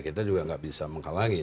kita juga nggak bisa menghalangi